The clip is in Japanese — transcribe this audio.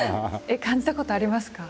感じたことありますか？